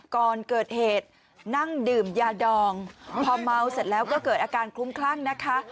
ก่อนเกิดเหตุนั่งดื่มยาดองพอเมาเสร็จแล้วก็เกิดอาการคลุ้มคลั่งนะคะ